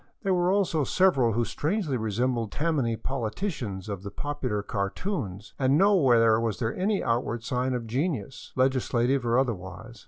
There were also several who strangely resembled Tammany politicians of the popular cartoons, and nowhere was there any outward sign of genius, legislative or other wise.